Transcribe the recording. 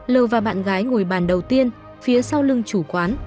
lờ và bạn gái ngồi bàn đầu tiên phía sau lưng chủ quán